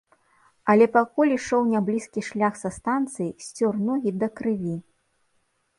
Але пакуль ішоў няблізкі шлях са станцыі, сцёр ногі да крыві!